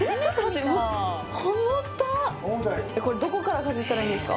これ、どこからかじったらいいんですか。